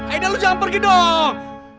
aida lo jangan pergi dong